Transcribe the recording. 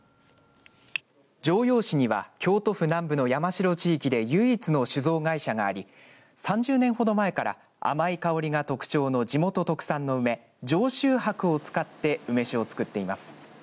城陽市には京都府南部の山城地域で唯一の酒造会社があり３０年ほど前から甘い香りが特徴の地元特産の梅城州白を使って梅酒を造っています。